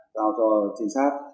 tao cho trinh sát